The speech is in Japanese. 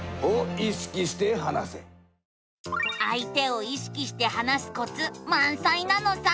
あい手を意識して話すコツまんさいなのさ。